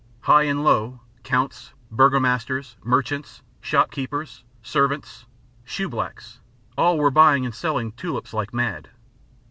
High and low, counts, burgomasters, merchants, shop keepers, servants, shoe blacks, all were buying and selling tulips like mad.